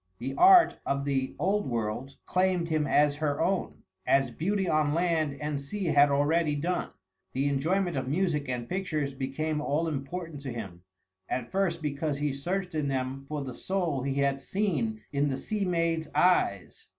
The art of the Old World claimed him as her own, as beauty on land and sea had already done. The enjoyment of music and pictures became all important to him, at first because he searched in them for the soul he had seen in the sea maid's eyes.